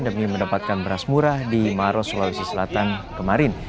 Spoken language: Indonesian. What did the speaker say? demi mendapatkan beras murah di maros sulawesi selatan kemarin